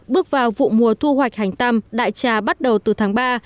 bước vào vụ mùa thu hoạch hành tăm đại trà bắt đầu từ tháng ba